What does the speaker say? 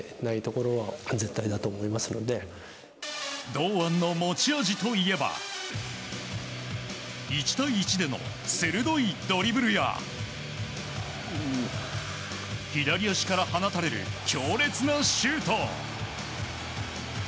堂安の持ち味といえば１対１での鋭いドリブルや左足から放たれる強烈なシュート。